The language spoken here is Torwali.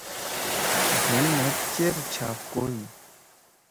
گھین نھید چیر چھاپ کوئی۔